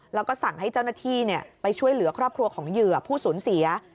แล้วก็สั่งให้เจ้าหน้าที่ไปช่วยเหลือครอบครัวของเหยื่อผู้สูญเสีย